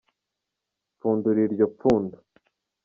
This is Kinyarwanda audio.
Pfundura iryo pfundo.